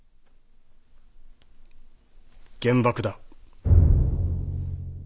原爆だ。